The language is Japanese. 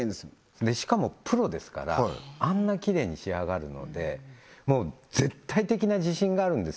しかもプロですからあんなキレイに仕上がるのでもう絶対的な自信があるんですよ